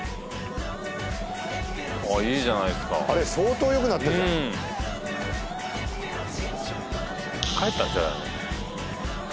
ああいいじゃないですかあれ相当よくなってる帰ったんじゃないの？